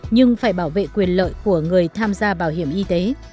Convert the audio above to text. nhưng phải bảo vệ quyền lợi của người tham gia bảo hiểm y tế